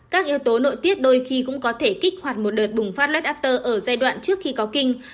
các yếu tố nội tiết đôi khi cũng có thể kích hoạt một đợt bùng phát lot upter ở giai đoạn trước khi có kinh